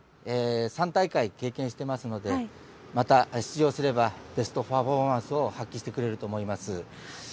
３大会、経験してますのでまた出場すればベストパフォーマンスを発揮してくれると思います。